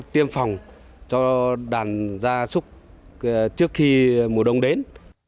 tiêm phòng cho đàn gia súc trước khi mùa đông đến